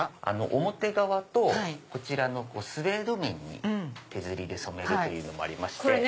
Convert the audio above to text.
表革とこちらのスエード面に手刷りで染めるというのもありまして。